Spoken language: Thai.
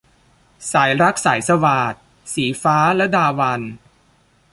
สายรักสายสวาท - ศรีฟ้า ลดาวัลย์